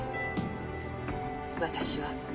「私は」